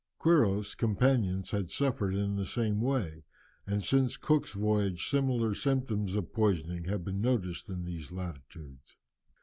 Quiros' companions had suffered in the same way, and since Cook's voyage similar symptoms of poisoning have been noticed in these latitudes.